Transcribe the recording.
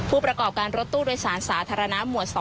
ผู้ประกอบการตัดเบาะด้วยสารสาธารณาหมวด๒